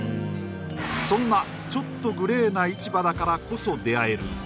そんなちょっとグレーな市場だからこそ出会えるが